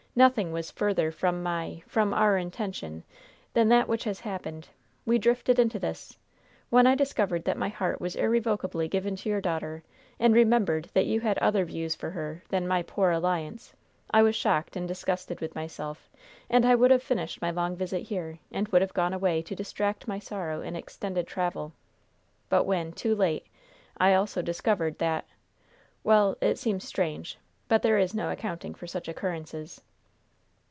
Nothing was further from my from our intention than that which has happened. We drifted into this. When I discovered that my heart was irrevocably given to your daughter, and remembered that you had other views for her than my poor alliance, I was shocked and disgusted with myself, and I would have finished my long visit here, and would have gone away to distract my sorrow in extended travel; but when, too late, I also discovered that well, it seems strange but there is no accounting for such occurrences."